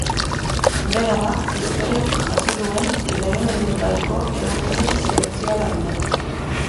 Bera da historiak jaso duen lehenengotariko emakume zientzialaria.